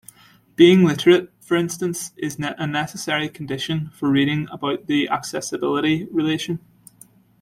Being literate, for instance, is a 'necessary' condition for "reading" about the 'accessibility relation.